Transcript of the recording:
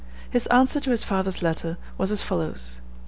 His answer to his father's letter was as follows.